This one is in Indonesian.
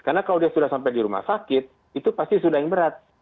karena kalau dia sudah sampai di rumah sakit itu pasti sudah yang berat